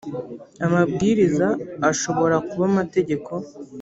amabwiriza ashobora kuba amategeko